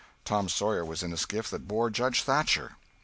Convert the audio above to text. Tom Sawyer was in the skiff that bore Judge Thatcher.